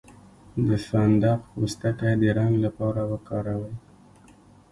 د فندق پوستکی د رنګ لپاره وکاروئ